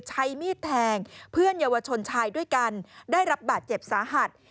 ใช้มีดแทงเพื่อนเยาวชนชายด้วยกันได้รับบาดเจ็บสาหัส